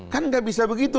kan tidak bisa begitu